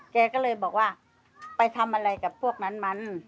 แกก็เลยบอกว่าไปทำอะไรกับพวกนั้นมัน